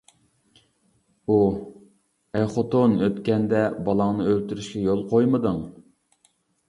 ئۇ:-ئەي خوتۇن، ئۆتكەندە بالاڭنى ئۆلتۈرۈشكە يول قويمىدىڭ.